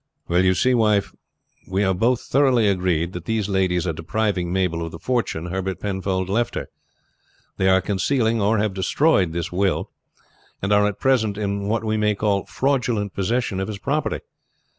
"Well, you see, wife, we are both thoroughly agreed that these ladies are depriving Mabel of the fortune Herbert Penfold left her. They are concealing or have destroyed his will, and are at present in what we may call fraudulent possession of his property.